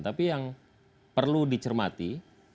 tapi yang perlu dicermati